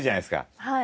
はい。